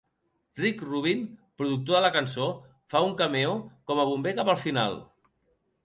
Rick Rubin, productor de la cançó, fa un cameo com a bomber cap al final.